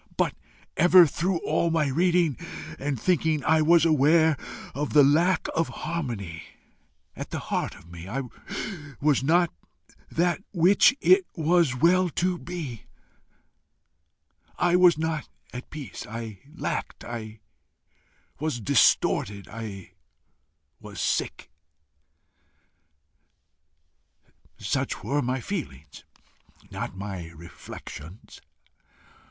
But ever through all my reading and thinking I was aware of the lack of harmony at the heart of me: I was not that which it was well to be; I was not at peace; I lacked; was distorted; I was sick. Such were my feelings, not my reflections.